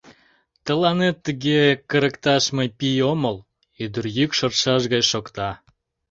Тыланет тыге кырыкташ мый пий омыл, — ӱдыр йӱк шортшаш гай шокта.